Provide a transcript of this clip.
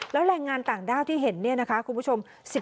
แล้วแรงงานต่างด้าวที่เห็นเนี่ยนะคะคุณผู้ชม